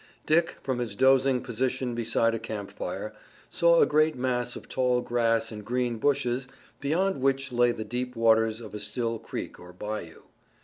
Dick, from his dozing position beside a camp fire, saw a great mass of tall grass and green bushes beyond which lay the deep waters of a still creek or bayou.